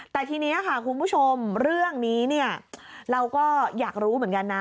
แต่ทีนี้ค่ะคุณผู้ชมเรื่องนี้เนี่ยเราก็อยากรู้เหมือนกันนะ